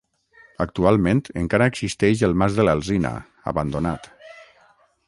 Actualment encara existeix el Mas de l'Alzina, abandonat.